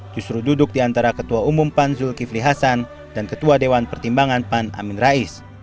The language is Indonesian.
justru duduk di antara ketua umum pan zulkifli hasan dan ketua dewan pertimbangan pan amin rais